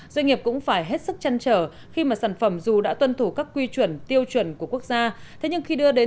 doanh nghiệp cũng phải hết sức chăn trở khi mà sản phẩm dù đã tuân thủ các quy chuẩn tiêu chuẩn của quốc gia